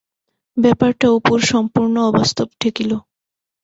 ব্যাপারটা অপুর সম্পূর্ণ অবাস্তব ঠেকিল।